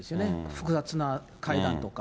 複雑な階段とか。